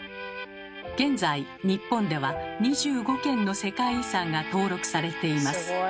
現在日本では２５件の世界遺産が登録されています。